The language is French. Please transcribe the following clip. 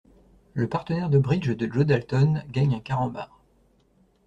Le partenaire de bridge de Joe Dalton gagne un carambar.